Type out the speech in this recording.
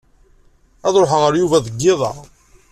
Ad ṛuḥeɣ ɣer Yuba deg yiḍ-a.